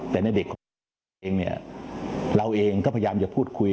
แต่ในเด็กของเราเองเนี่ยเราเองก็พยายามจะพูดคุย